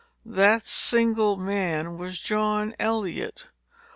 That single man was John Eliot.